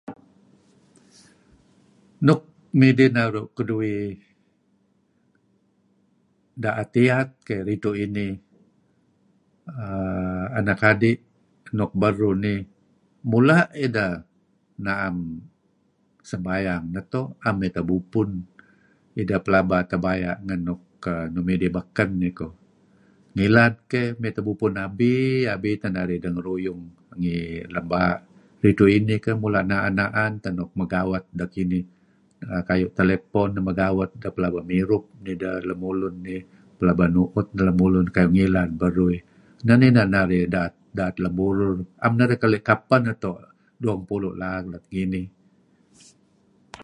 Nuk midih naru' keduih da'et iyat keh ridtu' inih err anak adi' nuk beruh nih, mula' deh na'em sembayang neto', 'am mey tebubpun, ideh pelaba tebaya' ngen nuk midih beken eh koh. Ngilad keh mey tebubpun abi-abi teh narih dengeruyung ngi lem baa'. Ridtu' inih keh mula' na'an-na'an teh nuk megawet ideh kinih, kayu' telepon megawet, atau pelaba mirup beruh, pelaba nu'ut neh lemulun kayu' ngilad beruh. Neh inan narih da'et lem burur, 'am narih keli' kapeh neto' narih keli' kapeh neto' dueh ngepulu' laak let nginih.